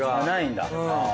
ないんだ。